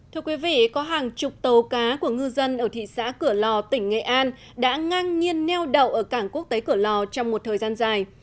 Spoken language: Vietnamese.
thưa quý vị có hàng chục tàu cá của ngư dân ở thị xã cửa lò tỉnh nghệ an đã ngang nhiên neo đậu ở cảng quốc tế cửa lò trong một thời gian dài